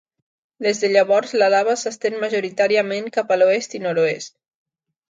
Des de llavors, la lava s'estén majoritàriament cap a l'oest i nord-oest.